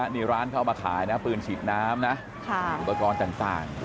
นี่ร้านเขาเอามาขายนะปืนฉีดน้ำนะอุปกรณ์ต่าง